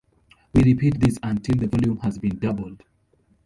We repeat this until the volume has been doubled.